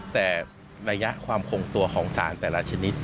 แต่ระยะความคงตัวของสารแต่ละชนิด